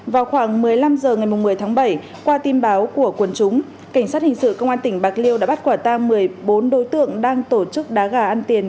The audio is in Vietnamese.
vào khoảng một mươi năm h ngày một mươi tháng bảy qua tin báo của quần chúng cảnh sát hình sự công an tỉnh bạc liêu đã bắt quả tang một mươi bốn đối tượng đang tổ chức đá gà ăn tiền